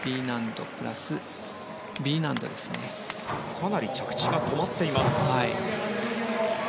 かなり着地が止まっています。